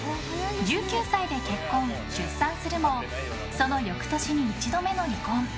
１９歳で結婚、出産するもその翌年に１度目の離婚。